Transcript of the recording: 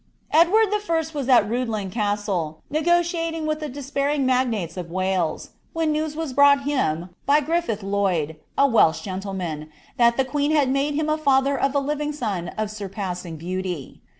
Edward 1. was at Rhuddlan castle, negotiating with the despairing magnates of Wales, when news was brought him, by GrifHth Lloyd, a Welsh gentleman, that the queen had made him father of a living son of surpassing beauty.